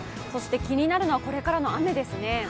気になるのは、これからの雨ですね。